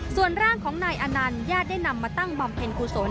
ส่วนร่างของนายอนันต์ญาติได้นำมาตั้งบำเพ็ญกุศล